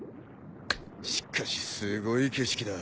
しかしすごい景色だ。